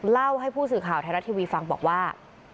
เล่าให้ผู้สื่อข่าวไทยรัฐทีวีฟังบอกว่า